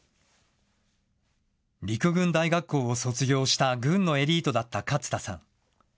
陸軍大学校を卒業した軍のエリートだった勝田さん。